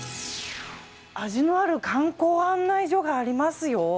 味のある観光案内所がありますよ。